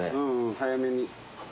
早めに。